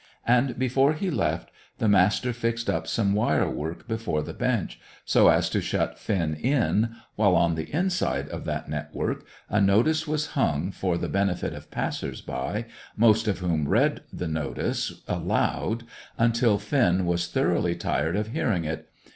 And before he left, the Master fixed up some wirework before the bench, so as to shut Finn in, while on the inside of that network a notice was hung, for the benefit of passers by, most of whom read the notice aloud, until Finn was thoroughly tired of hearing it.